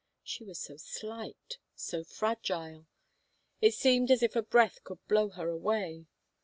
She was so slight, so fragile ! It seemed as if a breath could blow her away.